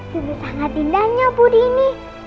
sudah sangat indahnya puri ini